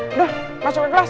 udah masuk ke kelas